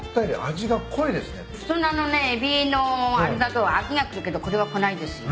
・普通のあのねエビのあれだと飽きがくるけどこれはこないですよ。